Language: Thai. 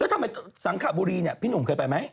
ทำไมสังขบุรีเนี่ยพี่หนุ่มเคยไปไหม